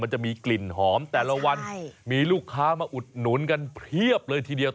มันจะมีกลิ่นหอมแต่ละวันมีลูกค้ามาอุดหนุนกันเพียบเลยทีเดียว